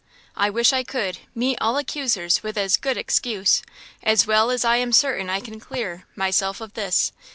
I wish I could Meet all accusers with as good excuse, As well as I am certain I can clear Myself of this.